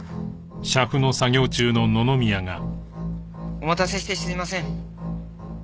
お待たせしてすみません。